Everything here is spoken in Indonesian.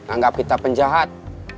anggap kita penjahat